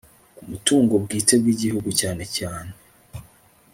ku mutungo bwite by'igihugu, cyane cyane